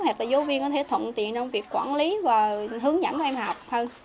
hoặc là giáo viên có thể thuận tiện trong việc quản lý và hướng dẫn các em học hơn